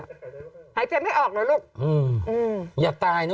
กล้องกว้างอย่างเดียว